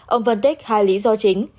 ông vân tích hai lý do chính